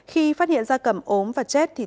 khi phát hiện da cầm ốm và chết thì